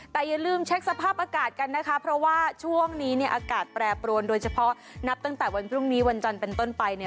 แต่อย่าลืมเช็คสภาพอากาศกันนะคะเพราะว่าช่วงนี้เนี่ยอากาศแปรปรวนโดยเฉพาะนับตั้งแต่วันพรุ่งนี้วันจันทร์เป็นต้นไปเนี่ย